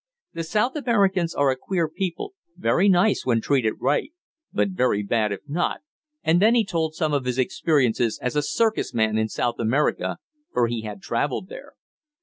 The South Americans are a queer people very nice when treated right, but very bad if not," and then he told some of his experiences as a circus man in South America, for he had traveled there.